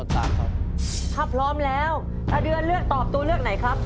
ถ้าพร้อมแล้วตาเดือนเลือกตอบตัวเลือกไหนครับ